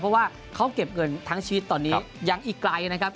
เพราะว่าเขาเก็บเงินทั้งชีวิตตอนนี้ยังอีกไกลนะครับ